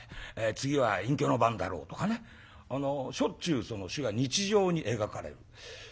「次は隠居の番だろ」とかねしょっちゅう死が日常に描かれる。